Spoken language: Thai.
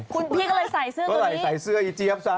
เขาไรใส่เสื้อตัวเนี่ยจ้ะก็เอาใส่เสื้ออีเจี๊ยบซะ